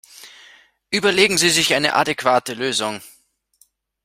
Überlegen Sie sich eine adäquate Lösung!